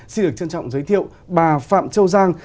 xin được trân trọng giới thiệu bà phạm châu giang